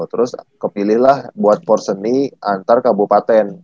terus kepilih lah buat porseni antar kabupaten